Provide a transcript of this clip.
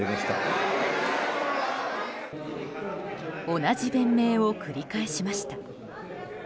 同じ弁明を繰り返しました。